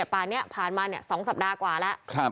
ป่านนี้ผ่านมา๒สัปดาห์กว่าแล้ว